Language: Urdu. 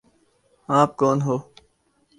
آپ کون ہو؟